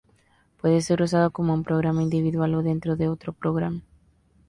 Puede ser usado como un programa individual o dentro de otro programa.